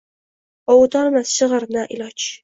Ovutolmas shigʼir, na iloj.